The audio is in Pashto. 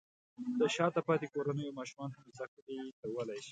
د شاته پاتې کورنیو ماشومان هم زده کړې کولی شي.